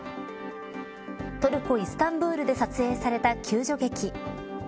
トルコ、イスタンブールで撮影された救助劇。